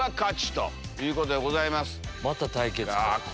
また対決か。